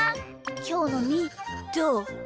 きょうのみーどう？